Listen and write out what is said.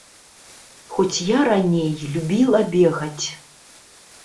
Хоць я раней любіла бегаць.